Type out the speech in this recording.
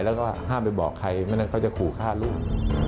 แล้วก็ห้ามไปบอกใครไม่งั้นเขาจะขู่ฆ่าลูก